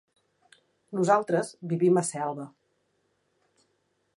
Nosaltres vivim a Selva.